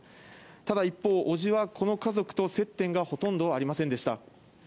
ただ一方伯父はこの家族と接点がほとんどありませんでした。